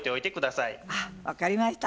あっ分かりました。